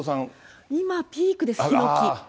今、ピークです、ヒノキ。